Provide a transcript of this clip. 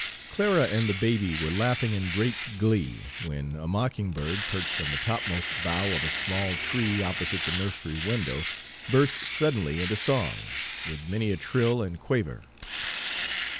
Clara and the baby were laughing in great glee, when a mockingbird, perched on the topmost bough of a small tree opposite the nursery window, burst suddenly into song, with many a trill and quaver.